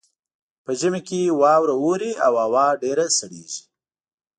په ژمي کې واوره اوري او هوا ډیره سړیږي